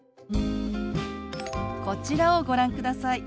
こちらをご覧ください。